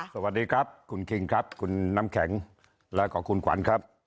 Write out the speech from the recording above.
สวัสดีครับคุณคิงครับคุณน้ำแข็งแล้วก็คุณขวัญครับ